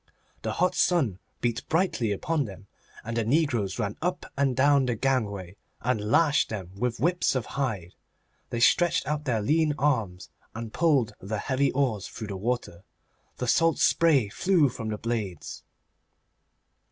The hot sun beat brightly upon them, and the negroes ran up and down the gangway and lashed them with whips of hide. They stretched out their lean arms and pulled the heavy oars through the water. The salt spray flew from the blades.